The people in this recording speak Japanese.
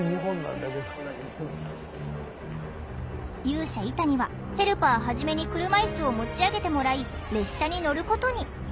勇者イタニはヘルパーハジメに車いすを持ち上げてもらい列車に乗ることに。